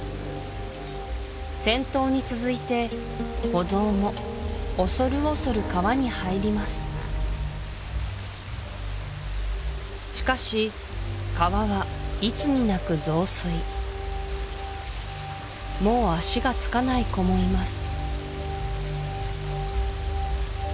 先頭に続いて子ゾウも恐る恐る川に入りますしかし川はいつになく増水もう足がつかない子もいます